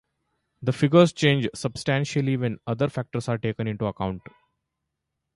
The figures change substantially when other factors are taken into account.